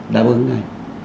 đảm ơn ngay